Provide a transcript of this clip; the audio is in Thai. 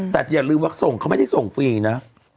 แต่อย่าลืมว่าส่งเขาไม่ได้ส่งฟรีนะ